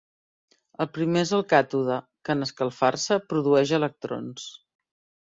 El primer és el càtode, que en escalfar-se produeix electrons.